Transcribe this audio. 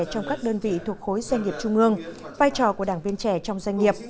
trong các đơn vị thuộc khối doanh nghiệp trung ương vai trò của đảng viên trẻ trong doanh nghiệp